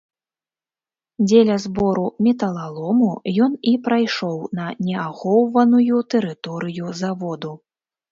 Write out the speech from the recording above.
Дзеля збору металалому ён і прайшоў на неахоўваную тэрыторыю заводу.